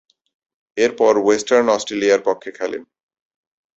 এরপর ওয়েস্টার্ন অস্ট্রেলিয়ার পক্ষে খেলেন।